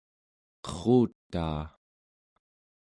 qerrutaa